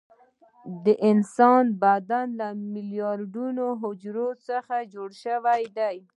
د انسان بدن له میلیارډونو حجرو څخه جوړ شوی دی